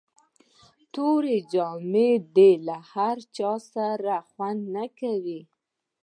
توري جامي د له هر چا سره خوند نه کوي.